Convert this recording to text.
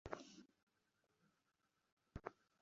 বিশিষ্টাদ্বৈতবাদীরা বলেন, ব্রহ্মই জীবজগৎরূপে পরিণত হয়েছেন।